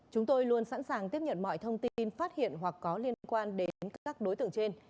chúng tôi luôn sẵn sàng tiếp nhận mọi thông tin phát hiện hoặc có liên quan đến các đối tượng trên